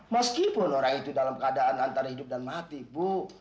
meskipun orang itu dalam keadaan antara hidup dan mati bu